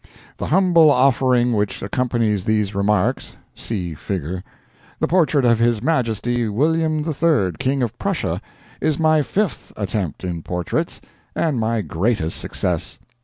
The humble offering which accompanies these remarks (see figure) the portrait of his Majesty William III., King of Prussia is my fifth attempt in portraits, and my greatest success.